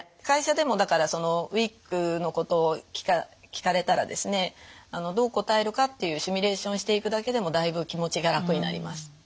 会社でもだからそのウイッグのことを聞かれたらですねどう答えるかっていうシミュレーションをしていくだけでもだいぶ気持ちが楽になります。